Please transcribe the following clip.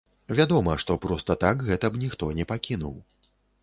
Вядома, што проста так гэта б ніхто не пакінуў.